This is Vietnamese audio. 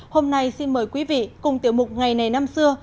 hôm nay xin mời quý vị cùng tiểu mục ngày này năm xưa